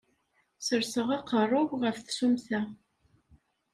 Serseɣ aqarru-w ɣef tsumta.